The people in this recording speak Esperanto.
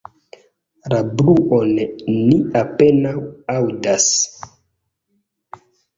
La bruon ni apenaŭ aŭdas.